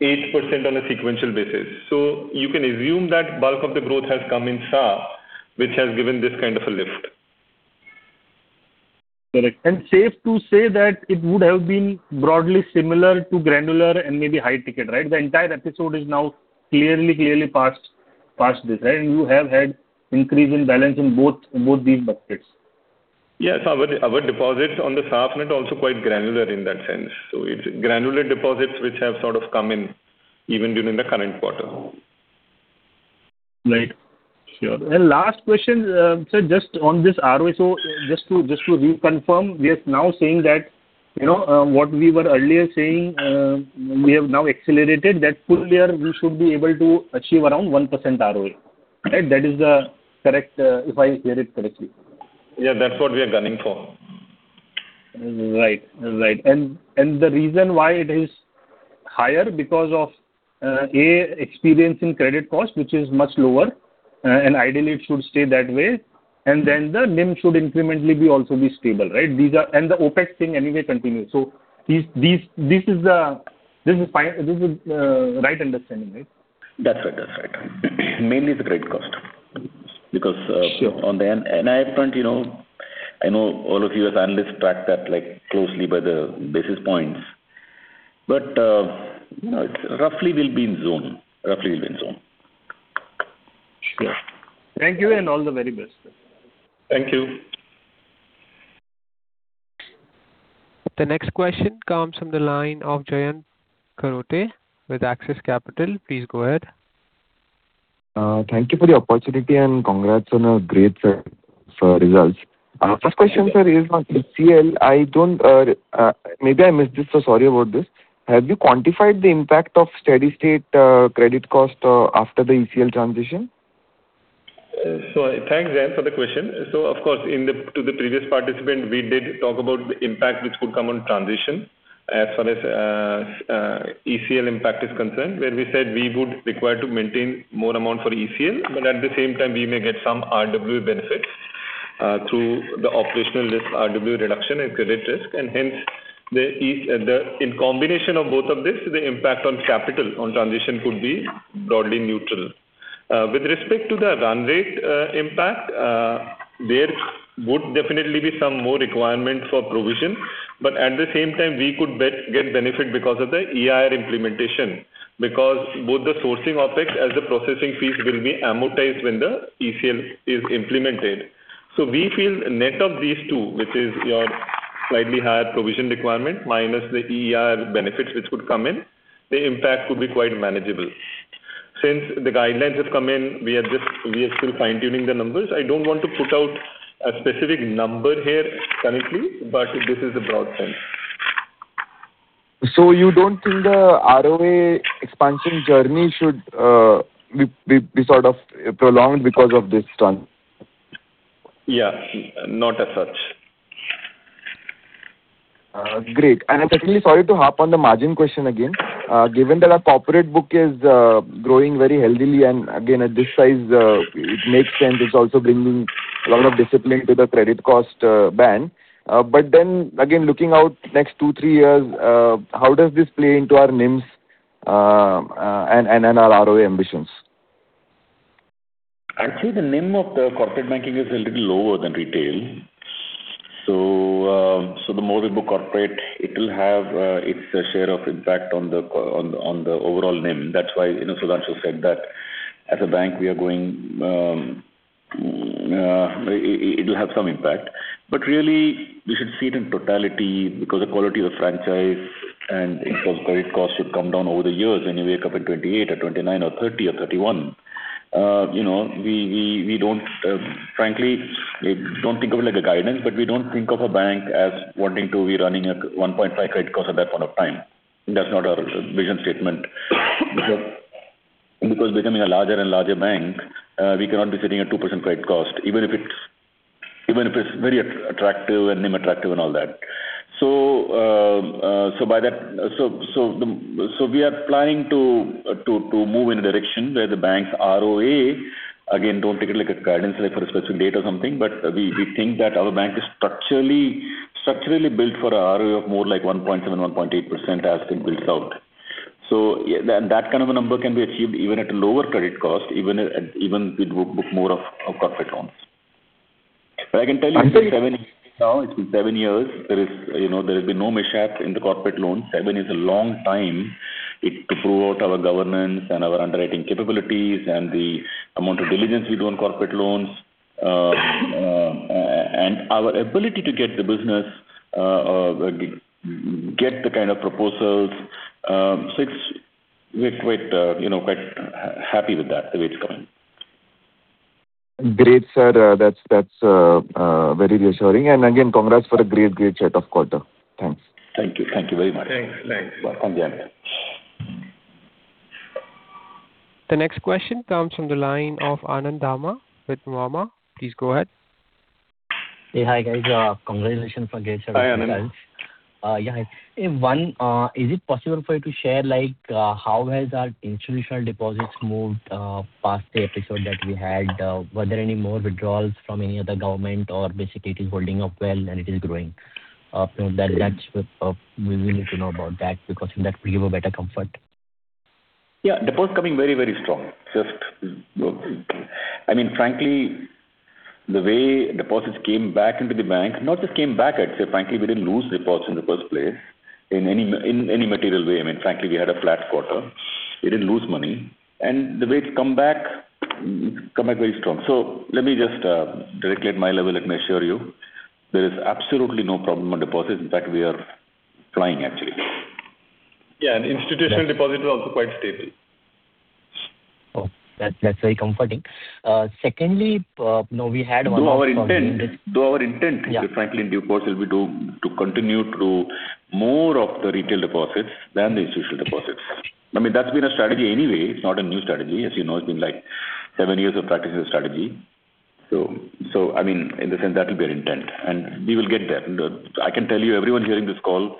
8% on a sequential basis. You can assume that bulk of the growth has come in SA, which has given this kind of a lift. Correct. Safe to say that it would have been broadly similar to granular and maybe high ticket. The entire episode is now clearly past this. You have had increase in balance in both these buckets. Yes. Our deposits on the SA front are also quite granular in that sense. It's granular deposits which have sort of come in even during the current quarter. Right. Sure. Last question, sir, just on this ROA. Just to reconfirm, we are now saying that what we were earlier saying, we have now accelerated that full year we should be able to achieve around 1% ROA. That is correct if I hear it correctly. Yeah. That's what we are gunning for. The reason why it is higher because of, A, experience in credit cost, which is much lower, and ideally it should stay that way. Then the NIM should incrementally also be stable. The OpEx thing anyway continues. This is right understanding, right? That's right. Mainly it's the credit cost. Sure On the NI front, I know all of you as analysts track that closely by the basis points. Roughly we'll be in zone. Sure. Thank you and all the very best. Thank you. The next question comes from the line of Jayant Kharote with Axis Capital. Please go ahead. Thank you for the opportunity and congrats on a great set of results. First question, sir, is on ECL. Maybe I missed this, so sorry about this. Have you quantified the impact of steady state credit cost after the ECL transition? Thanks, Jayant, for the question. Of course, to the previous participant, we did talk about the impact which could come on transition as far as ECL impact is concerned, where we said we would require to maintain more amount for ECL, but at the same time, we may get some RW benefits through the operational risk RW reduction and credit risk, and hence, in combination of both of these, the impact on capital on transition could be broadly neutral. With respect to the run rate impact, there would definitely be some more requirement for provision, but at the same time, we could get benefit because of the EIR implementation, because both the sourcing OpEx as the processing fees will be amortized when the ECL is implemented. We feel net of these two, which is your slightly higher provision requirement minus the EIR benefits which would come in, the impact could be quite manageable. Since the guidelines have come in, we are still fine-tuning the numbers. I don't want to put out a specific number here currently, but this is the broad sense. You don't think the ROA expansion journey should be sort of prolonged because of this turn? Yeah. Not as such. Great. Secondly, sorry to harp on the margin question again. Given that our corporate book is growing very healthily, again, at this size, it makes sense it's also bringing a lot of discipline to the credit cost band. Again, looking out next two, three years, how does this play into our NIMs and our ROA ambitions? The NIM of the corporate banking is a little lower than retail. The more we book corporate, it will have its share of impact on the overall NIM. That's why Sudhanshu said that as a bank, it will have some impact. Really, we should see it in totality because the quality of the franchise and credit costs should come down over the years when you wake up in 2028 or 2029 or 2030 or 2031. Frankly, we don't think of it like a guidance, but we don't think of a bank as wanting to be running at 1.5 credit cost at that point of time. That's not our vision statement. Becoming a larger and larger bank, we cannot be sitting at 2% credit cost, even if it's very attractive and NIM attractive and all that. We are planning to move in a direction where the bank's ROA, again, don't take it like a guidance for a specific date or something, but we think that our bank is structurally built for a ROA of more like 1.7%, 1.8% as it builds out. That kind of a number can be achieved even at a lower credit cost, even with more of corporate loans. I can tell you- Absolutely It's been seven years now. It's been seven years. There has been no mishap in the corporate loans. Seven is a long time to prove out our governance and our underwriting capabilities and the amount of diligence we do on corporate loans, and our ability to get the business, get the kind of proposals. We're quite happy with that, the way it's coming. Great, sir. That's very reassuring. Again, congrats for a great set of quarter. Thanks. Thank you. Thank you very much. Thanks. Welcome, Jayant. The next question comes from the line of Anand Dama with Nuvama. Please go ahead. Hey. Hi, guys. Congratulations again, sir. Hi, Anand. Yeah. One, is it possible for you to share how has our institutional deposits moved past the episode that we had? Were there any more withdrawals from any other government or basically it is holding up well and it is growing? We need to know about that because that will give a better comfort. Yeah. Deposit coming very strong. Frankly, the way deposits came back into the bank, not just came back, I'd say, frankly, we didn't lose deposits in the first place in any material way. Frankly, we had a flat quarter. We didn't lose money. The way it's come back very strong. Let me just directly at my level, let me assure you, there is absolutely no problem on deposits. In fact, we are flying actually. Yeah. Institutional deposit was also quite stable. Oh, that's very comforting. Secondly, we had Our Yeah. Frankly in deposits, we do continue to do more of the retail deposits than the institutional deposits. That's been a strategy anyway, it's not a new strategy. As you know, it's been seven years of practicing this strategy. In a sense, that will be our intent, and we will get there. I can tell you, everyone hearing this call,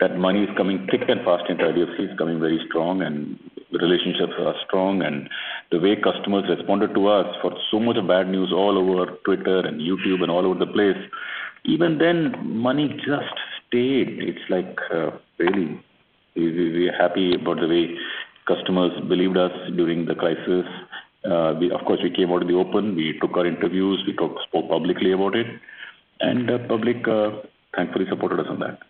that money is coming thick and fast into IDFC, it's coming very strong, and relationships are strong. The way customers responded to us for so much of bad news all over Twitter and YouTube and all over the place, even then, money just stayed. We're happy about the way customers believed us during the crisis. Of course, we came out in the open, we took our interviews, we spoke publicly about it, and the public thankfully supported us on that.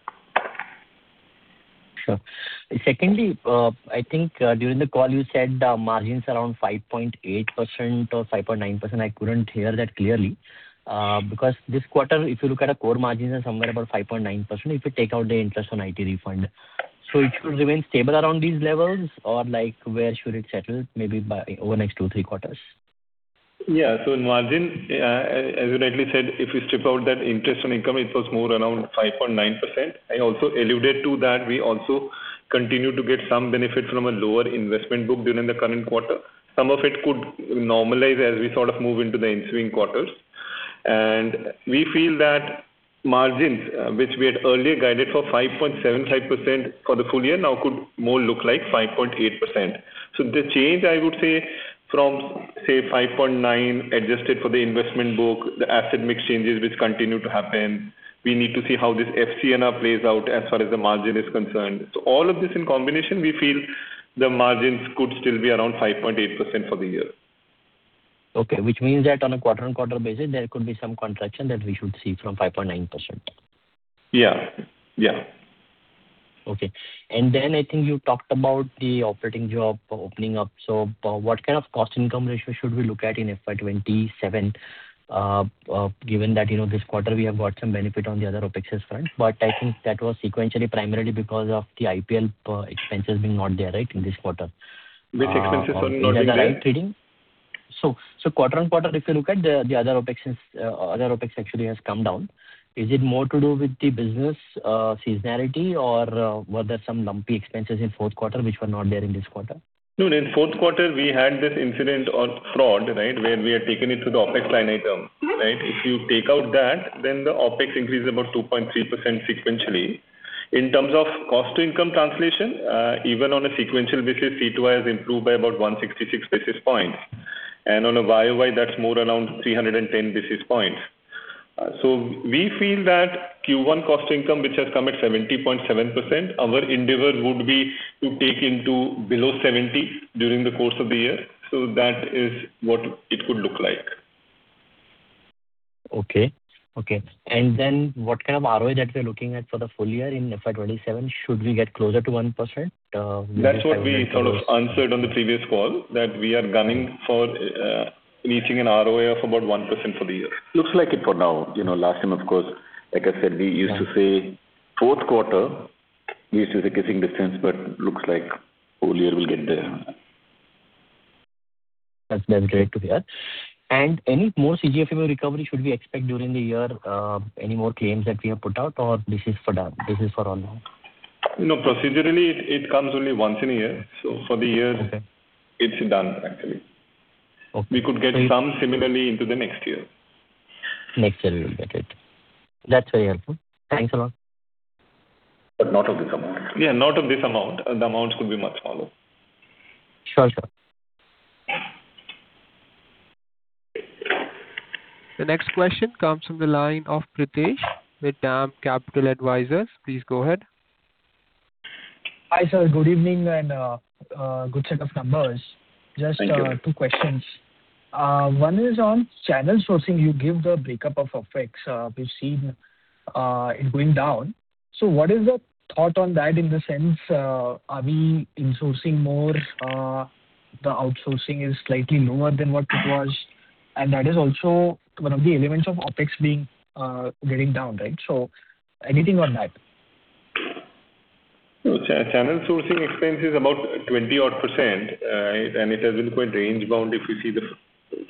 Sure. Secondly, I think during the call you said margins around 5.8% or 5.9%. I couldn't hear that clearly. This quarter, if you look at our core margins are somewhere about 5.9%, if you take out the interest on IT refund. It should remain stable around these levels or where should it settle maybe over the next two, three quarters? Yeah. In margin, as we rightly said, if we strip out that interest on income, it was more around 5.9%. I also alluded to that we also continue to get some benefit from a lower investment book during the current quarter. Some of it could normalize as we sort of move into the ensuing quarters. We feel that margins, which we had earlier guided for 5.75% for the full year, now could more look like 5.8%. The change I would say from, say, 5.9% adjusted for the investment book, the asset mix changes which continue to happen. We need to see how this FCNR plays out as far as the margin is concerned. All of this in combination, we feel the margins could still be around 5.8% for the year. Okay. Which means that on a quarter-on-quarter basis, there could be some contraction that we should see from 5.9%. Yeah. Okay. Then I think you talked about the operating Jaws opening up. What kind of cost-to-income ratio should we look at in FY 2027, given that this quarter we have got some benefit on the other OpEx front, I think that was sequentially primarily because of the IPL expenses being not there in this quarter, right? Which expenses were not there? Am I reading right? Quarter-on-quarter, if you look at the other OpEx actually has come down. Is it more to do with the business seasonality or were there some lumpy expenses in fourth quarter which were not there in this quarter? No, in fourth quarter, we had this incident on fraud, right? Where we had taken it to the OpEx line item, right? If you take out that, then the OpEx increase is about 2.3% sequentially. In terms of cost-to-income translation, even on a sequential basis, C/ has improved by about 166 basis points. On a YoY, that's more around 310 basis points. We feel that Q1 cost-to-income, which has come at 70.7%, our endeavor would be to take into below 70 during the course of the year. That is what it could look like. Okay. What kind of ROA that we're looking at for the full year in FY 2027? Should we get closer to 1%? That's what we sort of answered on the previous call, that we are gunning for reaching an ROA of about 1% for the year. Looks like it for now. Last time, of course, like I said, we used to say fourth quarter, we used to say kissing distance, but looks like full year we'll get there. That's great to hear. Any more CGFMU recovery should we expect during the year? Any more claims that we have put out, or this is for all now? No, procedurally, it comes only once in a year. For the year. Okay it's done, actually. Okay. We could get some similarly into the next year. Next year we'll get it. That's very helpful. Thanks a lot. Not of this amount. Yeah, not of this amount. The amounts could be much lower. Sure, sir. The next question comes from the line of Pritesh with DAM Capital Advisors. Please go ahead. Hi, sir. Good evening and good set of numbers. Thank you. Just two questions. One is on channel sourcing. You give the breakup of OpEx. We've seen it going down. What is the thought on that in the sense, are we insourcing more, the outsourcing is slightly lower than what it was, and that is also one of the elements of OpEx getting down. Anything on that? No. Channel sourcing expense is about 20% odd, and it has been quite range-bound if you see the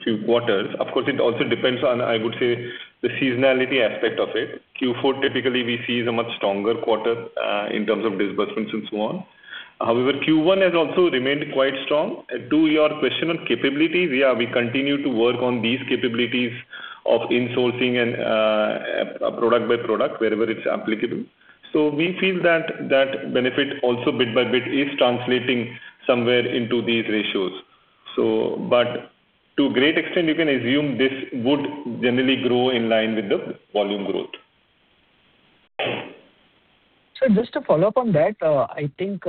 few quarters. Of course, it also depends on, I would say, the seasonality aspect of it. Q4 typically we see is a much stronger quarter in terms of disbursements and so on. However, Q1 has also remained quite strong. To your question on capabilities, yeah, we continue to work on these capabilities of insourcing and product by product wherever it's applicable. We feel that benefit also bit by bit is translating somewhere into these ratios. To a great extent, you can assume this would generally grow in line with the volume growth. Sir, just to follow up on that. I think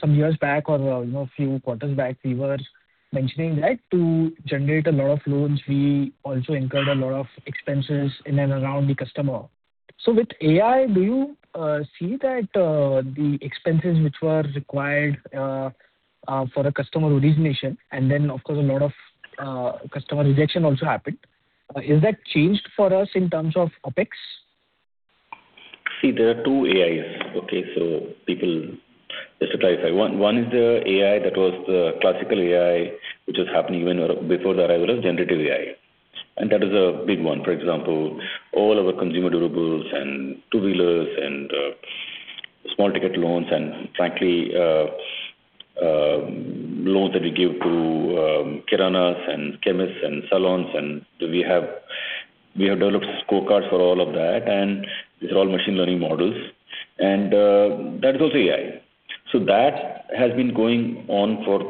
some years back or a few quarters back, we were mentioning that to generate a lot of loans, we also incurred a lot of expenses in and around the customer. With AI, do you see that the expenses which were required for a customer origination and then, of course, a lot of customer rejection also happened. Has that changed for us in terms of OpEx? See, there are two AIs. Okay. People get surprised by one. One is the AI that was the classical AI, which was happening even before the arrival of generative AI. That is a big one. For example, all our consumer durables and two-wheelers and small ticket loans and frankly, loans that we give to kiranas and chemists and salons, and we have developed scorecards for all of that, and these are all machine learning models. That is also AI. That has been going on for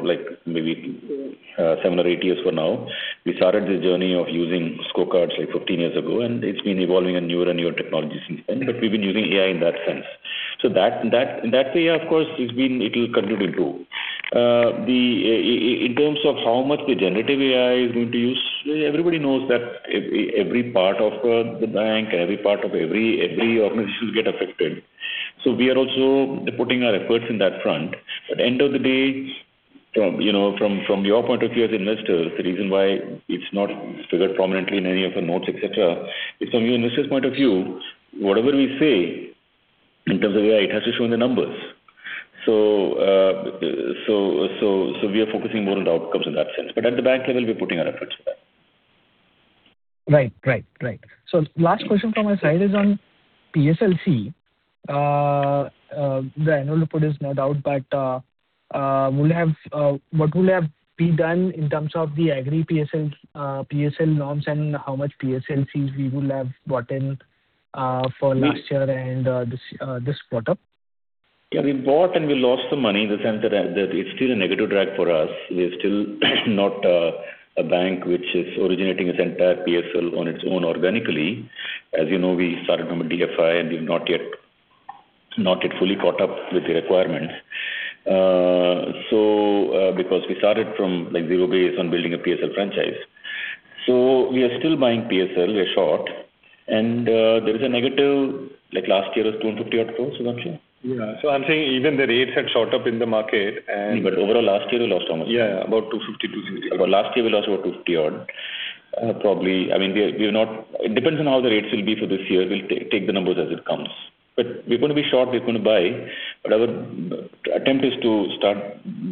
maybe seven or eight years for now. We started the journey of using scorecards 15 years ago, and it's been evolving newer and newer technologies since then. We've been using AI in that sense. That way, of course, it will continue to do. In terms of how much the generative AI is going to use, everybody knows that every part of the bank and every part of every organization will get affected. We are also putting our efforts in that front. At the end of the day, from your point of view as investors, the reason why it's not figured prominently in any of the notes, et cetera, is from your investors' point of view, whatever we say in terms of AI, it has to show in the numbers. We are focusing more on the outcomes in that sense. At the bank level, we're putting our efforts for that. Right. Last question from my side is on PSLC. The annual report is no doubt, but what will have been done in terms of the Agri PSL norms and how much PSLC we will have bought in for last year and this quarter? Yeah, we bought and we lost some money in the sense that it's still a negative drag for us. We are still not a bank which is originating its entire PSL on its own organically. As you know, we started from a DFI and we've not yet fully caught up with the requirements. Because we started from zero base on building a PSL franchise. We are still buying PSL, we are short, and there is a negative, like last year was 250 crores, wasn't it? I'm saying even the rates had shot up in the market and- Overall last year we lost how much? Yeah. About 250, 260. Last year we lost about 50 odd, probably. It depends on how the rates will be for this year. We'll take the numbers as it comes. We're going to be short, we're going to buy. Our attempt is to start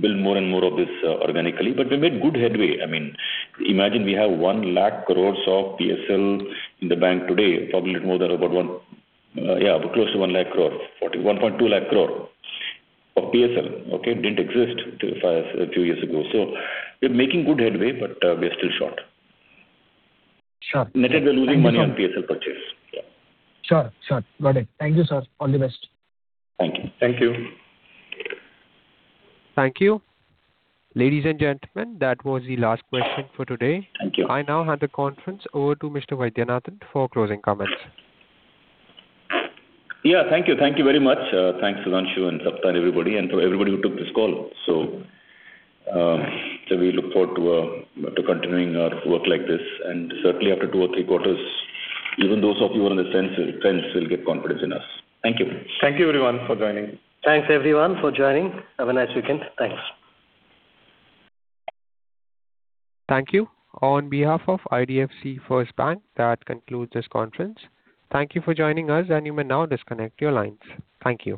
build more and more of this organically. We made good headway. Imagine we have 1 lakh crore of PSL in the bank today, probably a little more than about close to 1 lakh crore. 1.2 lakh crore of PSL. Okay? Didn't exist two years ago. We're making good headway, but we are still short. Sure. Net, we're losing money on PSL purchase. Yeah. Sure. Got it. Thank you, sir. All the best. Thank you. Thank you. Thank you. Ladies and gentlemen, that was the last question for today. Thank you. I now hand the conference over to Mr. Vaidyanathan for closing comments. Yeah. Thank you very much. Thanks, Sudhanshu and Saptarshi and everybody, and for everybody who took this call. We look forward to continuing our work like this, and certainly after two or three quarters, even those of you who are on the fence will get confidence in us. Thank you. Thank you everyone for joining. Thanks everyone for joining. Have a nice weekend. Thanks. Thank you. On behalf of IDFC FIRST Bank, that concludes this conference. Thank you for joining us, and you may now disconnect your lines. Thank you.